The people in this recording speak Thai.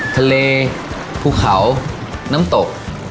ทะเลภูเขาน้ำตก